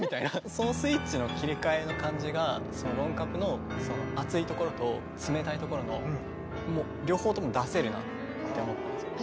そのスイッチの切り替えの感じが「ロンカプ」のその熱いところと冷たいところの両方とも出せるなって思ったんですよね。